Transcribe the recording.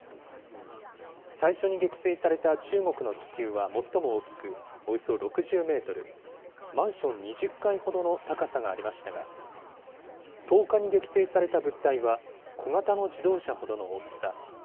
最初に撃墜された中国の気球は、最も大きく、およそ６０メートル、マンション２０階ほどの高さがありましたが、１０日に撃墜された物体は小型の自動車ほどの大きさ。